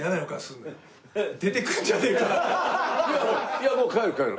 いやもう帰る帰る。